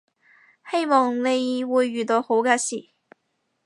希望你會遇到好嘅事